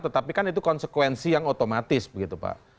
tetapi kan itu konsekuensi yang otomatis begitu pak